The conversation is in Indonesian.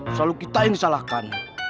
selalu kita yang disalahkan